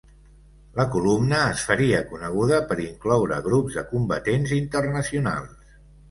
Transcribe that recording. La columna es faria coneguda per incloure grups de combatents internacionals.